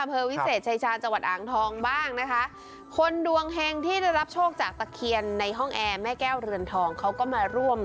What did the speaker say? เพอวิเศษชัยชาญจังหวัดอางทองบ้างนะคะ